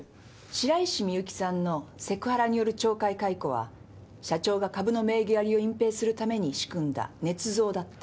白石美由紀さんのセクハラによる懲戒解雇は社長が株の名義借りを隠蔽するために仕組んだ捏造だった。